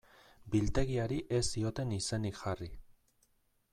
Biltegiari ez zioten izenik jarri.